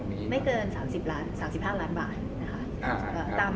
ไม่เกิน๓๕ล้านบาท